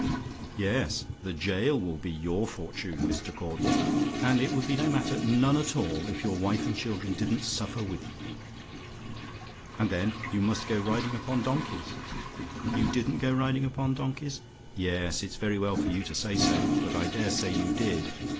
Yes, the gaol will be your fortune, Mr. Caudle. And it would be no matter none at all if your wife and children didn't suffer with you. "And then you must go riding upon donkeys. "YOU DIDN'T GO RIDING UPON DONKEYS? "Yes; it's very well for you to say so: but I dare say you did.